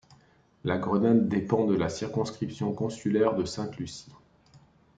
La Grenade dépend de la circonscription consulaire de Sainte-Lucie.